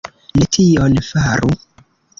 Ne tion faru.